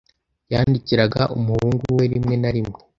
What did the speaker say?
Yandikira umuhungu we rimwe na rimwe.